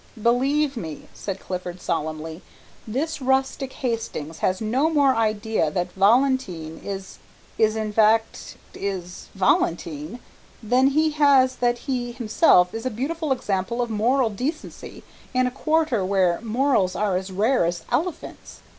"Believe me," said Clifford, solemnly, "this rustic Hastings has no more idea that Valentine is is in fact is Valentine, than he has that he himself is a beautiful example of moral decency in a Quarter where morals are as rare as elephants.